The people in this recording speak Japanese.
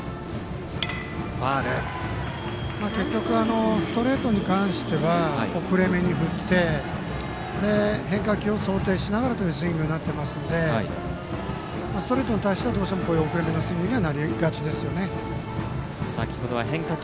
結局ストレートに関しては遅れめに振って変化球を想定しながらというスイングになってますのでストレートに対してはどうしてもこういう遅れめのスイングにはなりがちですよね。